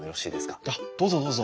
あっどうぞどうぞ。